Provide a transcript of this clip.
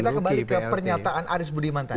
kita kembali ke pernyataan aris budiman tadi